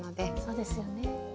そうですよね。